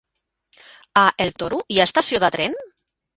A el Toro hi ha estació de tren?